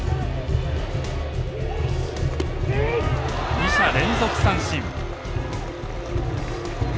二者連続三振。